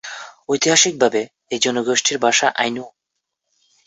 ঐতিহাসিক ভাবে, এই জনগোষ্ঠীর ভাষা আইনু।